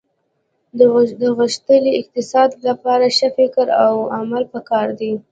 د غښتلي اقتصاد لپاره ښه فکر او عمل په کار دي